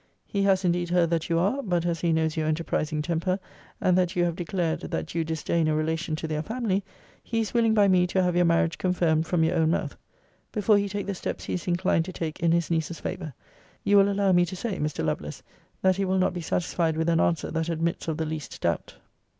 He has indeed heard that you are; but as he knows your enterprising temper, and that you have declared, that you disdain a relation to their family, he is willing by me to have your marriage confirmed from your own mouth, before he take the steps he is inclined to take in his niece's favour. You will allow me to say, Mr. Lovelace, that he will not be satisfied with an answer that admits of the least doubt.